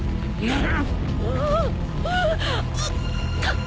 ああ。